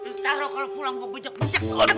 ntar lu kalo pulang gua becek becek